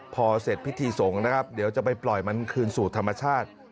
พอเสร็จพิธีสงฆ์นะครับเดี๋ยวจะไปปล่อยมันคืนสู่ธรรมชาติ